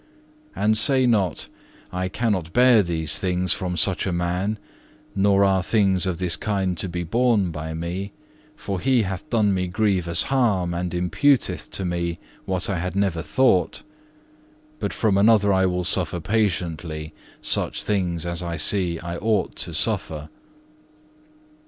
And say not 'I cannot bear these things from such a man, nor are things of this kind to be borne by me, for he hath done me grievous harm and imputeth to me what I had never thought: but from another I will suffer patiently, such things as I see I ought to suffer.